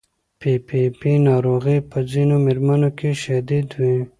پي پي پي ناروغي په ځینو مېرمنو کې شدید وي.